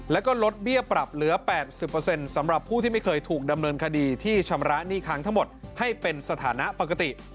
แล้วก็ลดเบี้ยปรับเหลือ๘๐สำหรับผู้ที่ไม่เคยถูกดำเนินคดีที่ชำระหนี้ค้างทั้งหมดให้เป็นสถานะปกติ